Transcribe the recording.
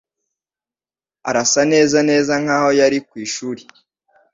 Arasa neza neza nkaho yari ku ishuri.